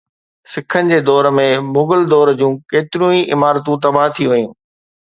سکن جي دور ۾ مغل دور جون ڪيتريون ئي عمارتون تباهه ٿي ويون